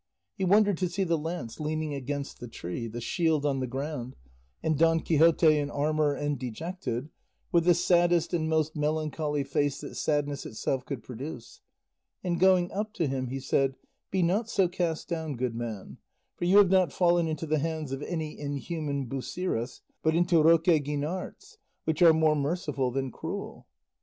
He wondered to see the lance leaning against the tree, the shield on the ground, and Don Quixote in armour and dejected, with the saddest and most melancholy face that sadness itself could produce; and going up to him he said, "Be not so cast down, good man, for you have not fallen into the hands of any inhuman Busiris, but into Roque Guinart's, which are more merciful than cruel."